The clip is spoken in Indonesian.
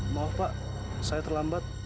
maaf pak saya terlambat